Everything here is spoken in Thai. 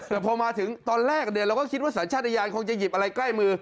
แต่พอมาถึงตอนแรกเราก็คิดว่าสัญชาติยานคงจะหยิบอะไรใกล้มือ